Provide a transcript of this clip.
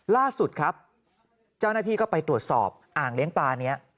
ล่าสุดครับเจ้าหน้าที่ก็ไปตรวจสอบอ่างเลี้ยงปลานี้